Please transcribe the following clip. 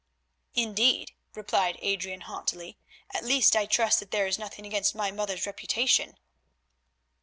"Indeed," replied Adrian haughtily; "at least I trust that there is nothing against my mother's reputation."